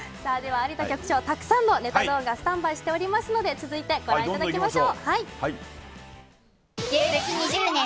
アリタキョクチョウ、たくさんのネタ動画スタンバイしておりますので続いて、ご覧いただきましょう。